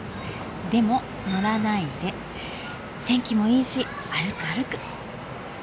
でも乗らないで天気もいいし歩く歩く。